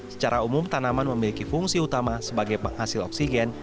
secara umum tanaman memiliki fungsi utama sebagai penghasil oksigen